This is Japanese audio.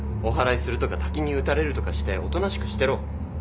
おはらいするとか滝に打たれるとかしておとなしくしてろ。